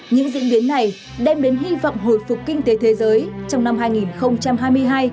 những diễn biến này đem đến hy vọng hồi phục kinh tế thế giới trong năm hai nghìn hai mươi hai